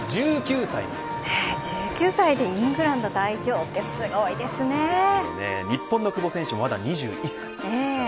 １９歳でイングランド代表は日本の久保選手もまだ２１歳です。